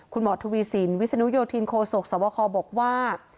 คุณหมอทวีสินวิศนุโยธินโคศกสวบคบอกว่า